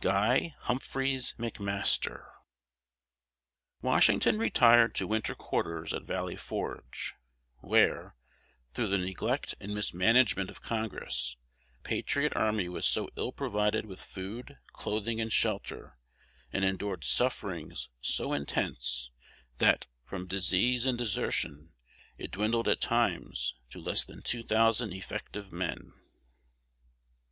GUY HUMPHREYS MCMASTER. Washington retired to winter quarters at Valley Forge, where, through the neglect and mismanagement of Congress, the patriot army was so ill provided with food, clothing, and shelter, and endured sufferings so intense that, from disease and desertion, it dwindled at times to less than two thousand effective men.